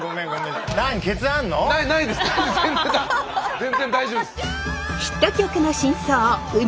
全然全然大丈夫です。